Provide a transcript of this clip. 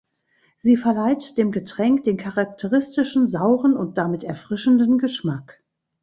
Sie verleiht dem Getränk den charakteristischen, sauren und damit erfrischenden Geschmack.